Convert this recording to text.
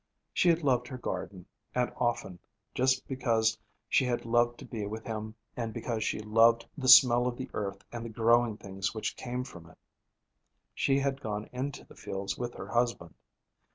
She had loved her garden, and often, just because she had loved to be with him and because she loved the smell of the earth and the growing things which came from it, she had gone into the fields with her husband.